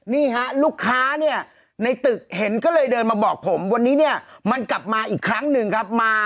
นี่ฮะลูกค้าเนี่ยในตึกเห็นก็เลยเดินมาบอกผมวันนี้เนี่ยมันกลับมาอีกครั้งหนึ่งครับ